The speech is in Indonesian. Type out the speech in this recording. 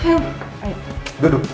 tolong kamu duduk